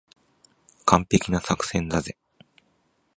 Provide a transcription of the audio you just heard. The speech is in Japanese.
完璧な作戦だぜ。